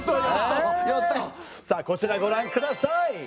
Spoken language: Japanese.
さあこちらご覧ください。